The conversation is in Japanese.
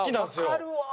わかるわ！